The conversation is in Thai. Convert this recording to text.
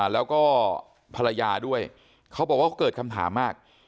แล้วก็ภรรยาด้วยเขาบอกว่าเขาเกิดคำถามมาก